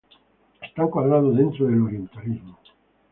Está encuadrado dentro del orientalismo.